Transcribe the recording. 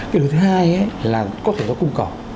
cái thứ hai là có thể do cung cỏ